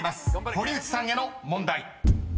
堀内さんへの問題］